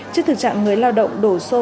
trước thực trạng người lao động đổ xô